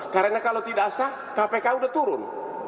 karena kalau tidak sah kpk sudah turun